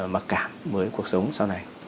mặc cảm với cuộc sống sau này